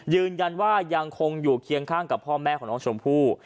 ยืนยันว่ายังคงอยู่เคียงข้างกับพ่อแม่ของน้องชมภู